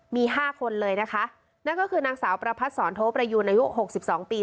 มีห้าคนเลยนะคะนั่นก็คือนางสาวประพัดศรโทประยูนอายุหกสิบสองปี